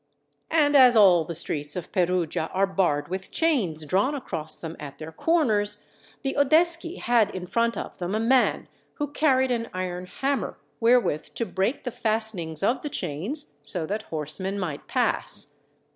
And as all the streets of Perugia are barred with chains drawn across them at their corners, the Oddeschi had in front of them a man who carried an iron hammer wherewith to break the fastenings of the chains so that horsemen might pass.